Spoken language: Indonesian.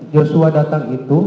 joshua datang itu